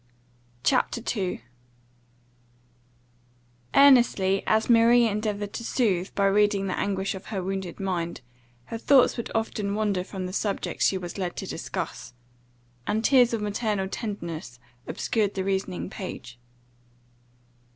CHAPTER 2 EARNESTLY as Maria endeavoured to soothe, by reading, the anguish of her wounded mind, her thoughts would often wander from the subject she was led to discuss, and tears of maternal tenderness obscured the reasoning page.